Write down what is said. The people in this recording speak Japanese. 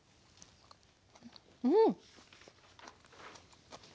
うん！